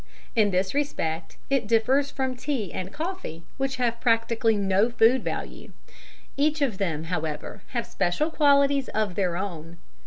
In this respect it differs from tea and coffee, which have practically no food value; each of them, however, have special qualities of their own.